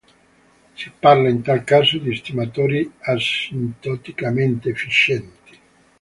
Si parla in tal caso di stimatori asintoticamente efficienti.